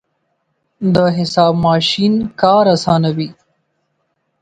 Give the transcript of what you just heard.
د حساب ماشین کار اسانوي.